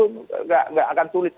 nggak akan sulit